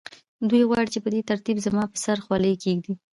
دوی غواړي چې په دې ترتیب زما پر سر خولۍ کېږدي